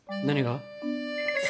何が？